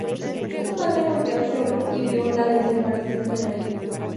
Su padre volvió al trono y vio la desaparición de la línea.